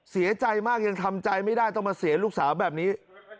เสียใจมากยังทำใจไม่ได้ต้องมาเสียลูกสาวแบบนี้